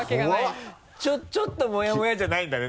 ちょっとモヤモヤじゃないんだね